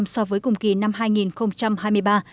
so với cùng kỳ năm hai nghìn hai mươi ba